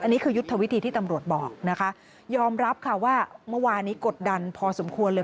อันนี้คือยุทธวิธีที่ตำรวจบอกนะคะยอมรับค่ะว่าเมื่อวานี้กดดันพอสมควรเลย